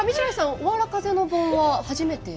おわら風の盆は、初めて？